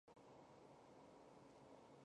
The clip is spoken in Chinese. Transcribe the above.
海南大学主校区位于大道西侧。